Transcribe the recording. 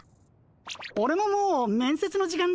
オレももう面接の時間だ。